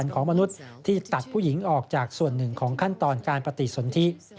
ของขั้นตอนการปฏิสนที่